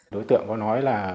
đối tượng có nói là